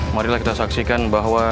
marilah kita saksikan bahwa